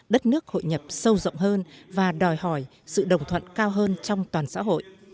đất nước hội nhập sâu rộng hơn và đòi hỏi sự đồng thuận cao hơn trong toàn xã hội